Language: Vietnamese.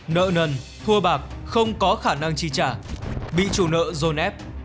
nợ nần thua bạc không có khả năng chi trả bị chủ nợ dồn ép